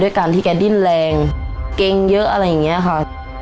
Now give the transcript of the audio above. การที่แกดิ้นแรงเกรงเยอะอะไรอย่างนี้ค่ะ